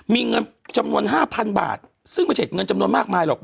มีเงินจำนวน๕๐๐๐บาทซึ่งไม่ใช่เงินจำนวนมากมายหรอก